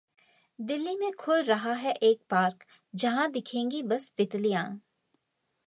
दिल्ली में खुल रहा है एक पार्क जहां दिखेंगी बस तितलियां...